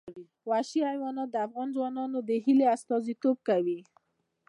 وحشي حیوانات د افغان ځوانانو د هیلو استازیتوب کوي.